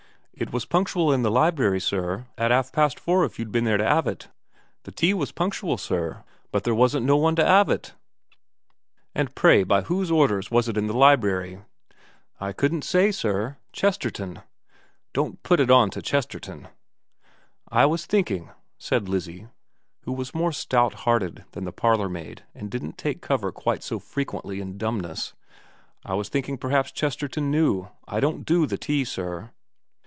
' It was punctual in the library, sir, at 'alf past four if you'd been there to 'ave it. The tea was punctual, sir, but there wasn't no one to 'ave it.' 254 VERA xim ' And pray by whose orders was it in the library ?'' I couldn't say, sir. Chesterton '' Don't put it on to Chesterton.' * I was thinking,' said Lizzie, who was more stout hearted than the parlourmaid and didn't take cover quite so frequently in dumbness, ' I was thinking p'raps Chesterton knew. I don't do the tea, sir.'